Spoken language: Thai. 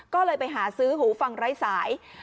ก็เลยไปหาซื้อหูฟังไร้สาย